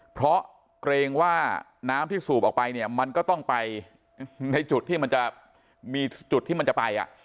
เพราะเกรงว่าน้ำที่สูบออกไปมันก็ต้องไปในจุดที่มันจะไป